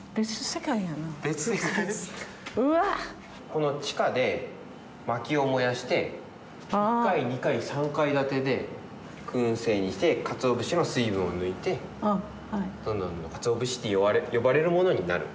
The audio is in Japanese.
この地下で薪を燃やして１階２階３階建てでくん製にして鰹節の水分を抜いてどんどん鰹節と呼ばれるものになる。